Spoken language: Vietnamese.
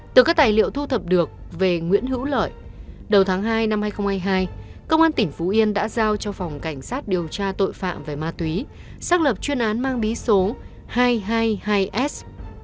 từ các tài liệu thu thập được về nguyễn hữu lợi đầu tháng hai năm hai nghìn hai mươi hai công an tỉnh phú yên đã giao cho phòng cảnh sát điều tra tội phạm về ma túy xác lập chuyên án mang bí số hai trăm hai mươi hai s